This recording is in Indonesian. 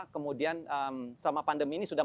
kemudian selama pandemi ini sudah